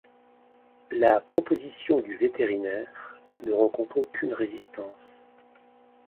La proposition du vétérinaire ne rencontre aucune résistance.